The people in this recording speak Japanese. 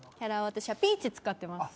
私はピーチ使ってます